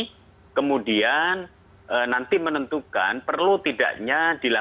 jadi kemudian nanti menentukan perlu tidaknya